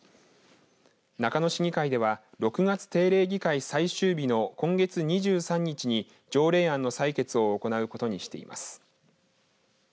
中野市議会では６月定例議会最終日の今月２３日に条例案の採決を行うことにしています。